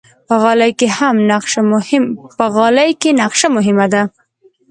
په غالۍ کې نقشه مهمه ده.